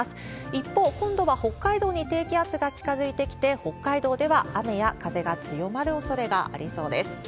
一方、今度は北海道に低気圧が近づいてきて、北海道では雨や風が強まるおそれがありそうです。